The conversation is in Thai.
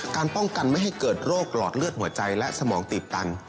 การป้องกันไม่ให้เกิดโรคหลอดเลือดหัวใจและสมองตีบตัน